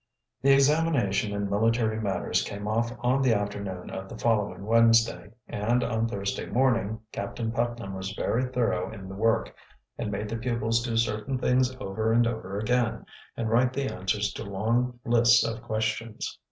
The examination in military matters came off on the afternoon of the following Wednesday and on Thursday morning. Captain Putnam was very thorough in the work, and made the pupils do certain things over and over again, and write the answers to long lists of questions.